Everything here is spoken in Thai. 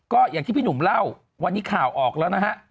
ก็อย่างที่พี่หนุ่มเล่าวันนี้ข่าวออกแล้วนะฮะ